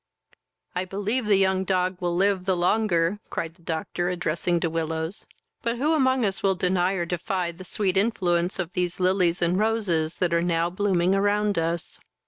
"I believe the young dog will live the longer, (cried the doctor, addressing De Willows,) but who among us will deny or defy the sweet influence of these lilies and roses that are now blooming around us."